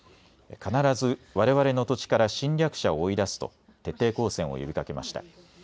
必ずわれわれの土地から侵略者を追い出すと徹底抗戦を呼びかけました。